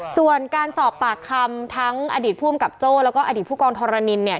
ส่วนการสอบปากคำทั้งอดีตผู้อำกับโจ้แล้วก็อดีตผู้กองทรนินเนี่ย